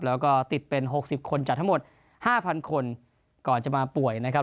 แล้วก็ติดเป็น๖๐คนจากทั้งหมด๕๐๐คนก่อนจะมาป่วยนะครับ